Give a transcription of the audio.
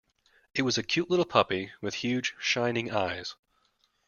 It was a cute little puppy, with huge shining eyes.